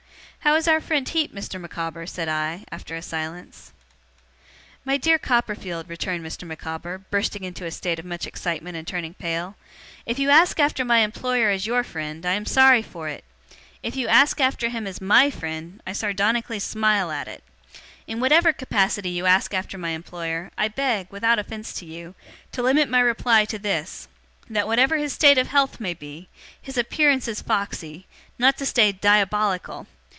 'How is our friend Heep, Mr. Micawber?' said I, after a silence. 'My dear Copperfield,' returned Mr. Micawber, bursting into a state of much excitement, and turning pale, 'if you ask after my employer as YOUR friend, I am sorry for it; if you ask after him as MY friend, I sardonically smile at it. In whatever capacity you ask after my employer, I beg, without offence to you, to limit my reply to this that whatever his state of health may be, his appearance is foxy: not to say diabolical.